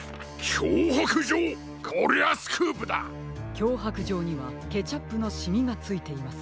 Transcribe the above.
きょうはくじょうにはケチャップのシミがついています。